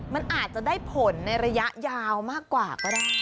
มันอาจจะได้ผลในระยะยาวมากกว่าก็ได้